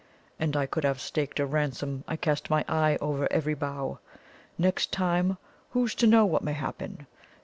And I could have staked a ransom I cast my eye over every bough. Next time who's to know what may happen?